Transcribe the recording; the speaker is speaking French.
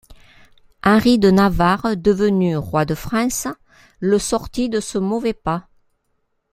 Henri de Navarre, devenu roi de France, le sortit de ce mauvais pas.